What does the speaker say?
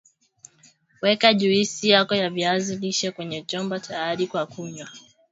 Weka juisi yako ya viazi lishe kwenye chombo tayari kwa kunywa